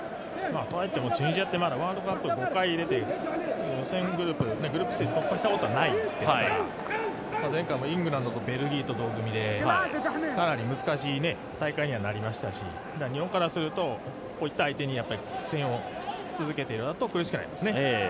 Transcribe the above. といってもチュニジアワールドカップ５回出てグループステージ突破したことはないですから前回もなかなかイングランドとベルギーと同組でかなり難しい大会にはなりましたし日本からすると、こういった相手に苦戦をし続けてるとあとが苦しくなりますね。